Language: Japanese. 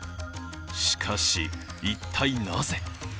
しかし、一体なぜ？